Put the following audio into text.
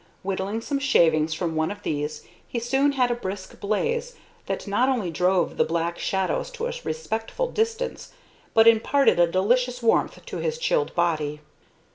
Whittling some shavings from one of these, he soon had a brisk blaze that not only drove the black shadows to a respectful distance, but imparted a delicious warmth to his chilled body.